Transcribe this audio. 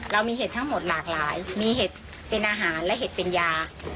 เรามีเห็ดทั้งหมดหลากหลายมีเห็ดเป็นอาหารและเห็ดเป็นยา